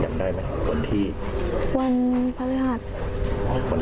วันพฤหัสที่ผ่านมา